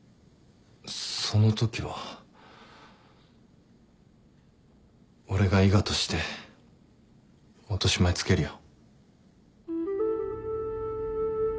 そのときは俺が伊賀として落としまえつけるよ。